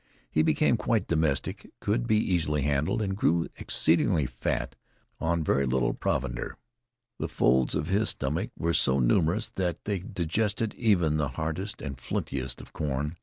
He became quite domestic, could be easily handled, and grew exceedingly fat on very little provender. The folds of his stomach were so numerous that they digested even the hardest and flintiest of corn.